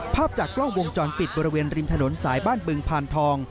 ภาพจากกล้องวงจรปิดบริเวณริมถนนสายบ้านบึงพานทอง